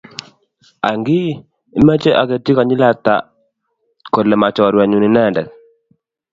Ang'ii , imoche aketchi konyil ata kole machorwenyu inendet?